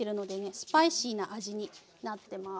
スパイシーな味になってます。